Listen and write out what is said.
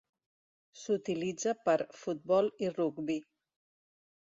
S'utilitza per futbol i rugbi.